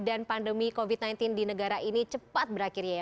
dan pandemi covid sembilan belas di negara ini cepat berakhir